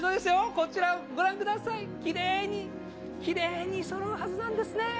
こちらご覧ください、きれいに、きれいにそろうはずなんですね。